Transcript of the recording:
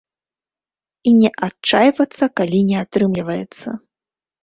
І не адчайвацца, калі не атрымліваецца.